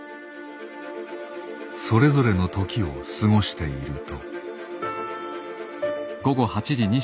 それぞれの時を過ごしていると。